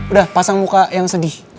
udah pasang muka yang sedih